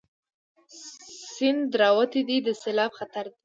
سيند راوتی دی، د سېلاب خطره ده